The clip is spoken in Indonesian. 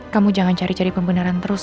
kamu jangan cari cari pembenaran terus